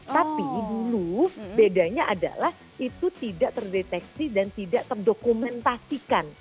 tapi dulu bedanya adalah itu tidak terdeteksi dan tidak terdokumentasikan